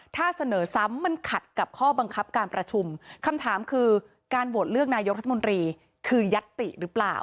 ถ้าเสนอซ้ำมันขัดกับข้อบังคับการประชุมคำถามคือการโหวตเลือกนายกรัฐมนตรีคือยัตติหรือเปล่า